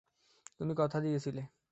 তুমি কথা দিয়েছিলে!